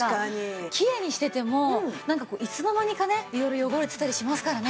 きれいにしててもいつの間にかね色々汚れてたりしますからね。